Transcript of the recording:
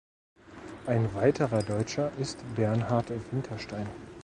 Ein weiterer Deutscher ist Bernhard Winterstein.